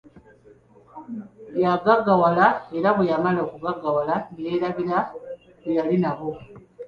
Yagaggawala era bwe yamala okugaggawala ne yeerabira be yali nabo.